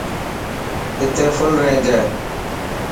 اتي فل رينج هي.